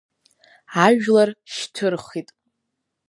Ажәлар шьҭырхит.